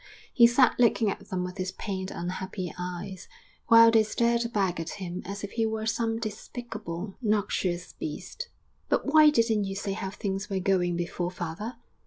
He sat looking at them with his pained, unhappy eyes, while they stared back at him as if he were some despicable, noxious beast. 'But why didn't you say how things were going before, father?'